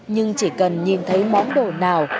nhưng chỉ cần nhìn thấy món đồ nào